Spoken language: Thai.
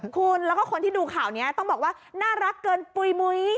คุณแล้วก็คนที่ดูข่าวนี้ต้องบอกว่าน่ารักเกินปุ๋ยมุ้ย